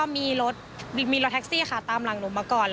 มีรถเทคซี่ตามหลังมาก่อน